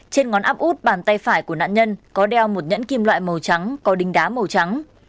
trên ngón áp út bàn tay phải của nạn nhân có đeo một nhẫn kim loại màu trắng có đính đá màu trắng